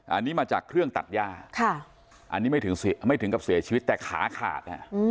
อันนี้มาจากเครื่องตัดย่าอันนี้ไม่ถึงกับเสียชีวิตแต่ขาขาด